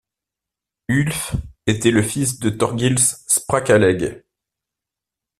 Ulf était le fils de Thorgils Sprakaleg.